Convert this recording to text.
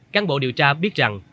các bộ điều tra biết rằng